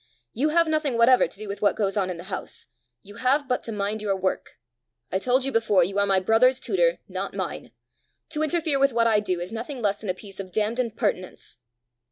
You have nothing whatever to do with what goes on in the house; you have but to mind your work. I told you before, you are my brother's tutor, not mine! To interfere with what I do, is nothing less than a piece of damned impertinence!"